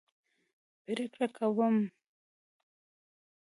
پرېکړه کوم کوي.